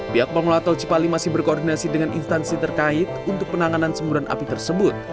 pihak pengolah telcipali masih berkoordinasi dengan instansi terkait untuk penanganan semburan api tersebut